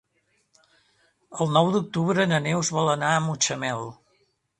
El nou d'octubre na Neus vol anar a Mutxamel.